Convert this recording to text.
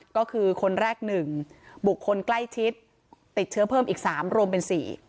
ก็คือคนแรก๑บุคคลใกล้ชิดติดเชื้อเพิ่มอีก๓รวมเป็น๔